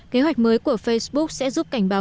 kế hoạch mới của facebook sẽ giúp cảnh báo